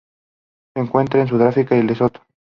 Se encuentra en Sudáfrica y Lesoto.